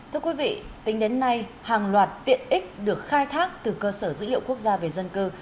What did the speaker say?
thưa quý vị tính đến nay hàng loạt tiện ích được khai thác từ cơ sở dữ liệu quốc gia về dân cư